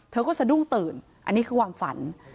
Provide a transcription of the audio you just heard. เธอก็สะดุ้งตื่นอันนี้คือความฝัน